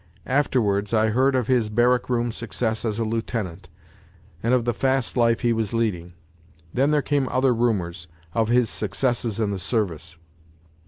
Afterwards I heard of his barrack room success as a lieutenant, and of the fast life he was leading. Then there came other rumours of his successes in the service.